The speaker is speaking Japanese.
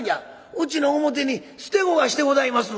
「うちの表に捨て子がしてございます」。